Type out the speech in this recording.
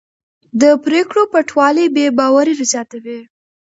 د پرېکړو پټوالی بې باوري زیاتوي